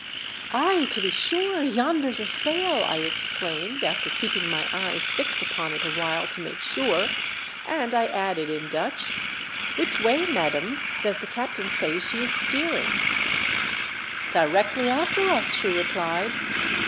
"Ay, to be sure, yonder's a sail!" I ex claimed, after keeping my eyes fixed upon it a while to make sure, and I added in Dutch, " Which way, madam, does the captain say she is steering ?"" Directly after us," she replied.